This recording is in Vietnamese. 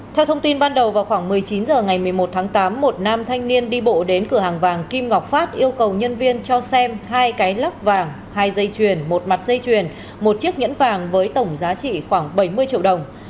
theo thông tin ban đầu vào khoảng một mươi chín h ngày một mươi một tháng tám một nam thanh niên đi bộ đến cửa hàng vàng kim ngọc phát yêu cầu nhân viên cho xem hai cái lắp vàng hai dây chuyền một mặt dây chuyền một chiếc nhẫn vàng với tổng giá trị khoảng bảy mươi triệu đồng